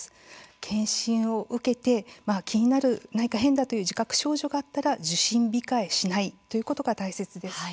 検診を受けて気になる何か変だという自覚症状があったら受診控えしないということが大切です。